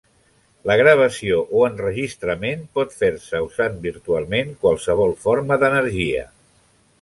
La gravació o enregistrament pot fer-se usant virtualment qualsevol forma d'energia.